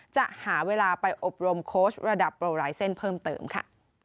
จะหาเวลาไปอบรมโค้ชระดับโปรไลเซ็นต์เพิ่มเติมค่ะ